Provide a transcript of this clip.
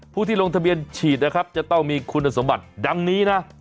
ผู้ที่ลงทะเบียนฉีดนะครับจะต้องมีคุณสมบัติดังนี้นะ